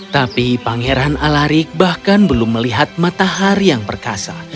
tapi pangeran alarik bahkan belum melihat matahari yang perkasa